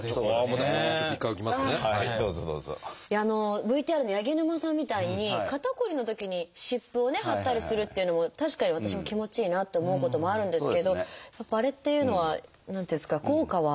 ＶＴＲの八木沼さんみたいに肩こりのときに湿布をね貼ったりするっていうのも確かに私も気持ちいいなって思うこともあるんですけどあれっていうのは何ていうんですか効果はどうなんですか？